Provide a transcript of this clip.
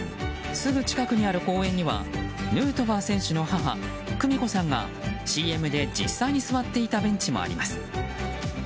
すぐ近くにある公園にはヌートバー選手の母久美子さんがＣＭで実際に座っていたベンチもあります。